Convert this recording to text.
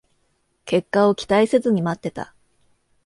結果を期待せずに待ってた